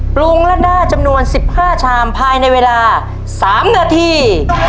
ปรุงละด้าจำนวน๑๕ชามภายในเวลา๓นาที